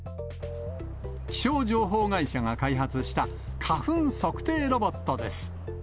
気象情報会社が開発した花粉測定ロボットです。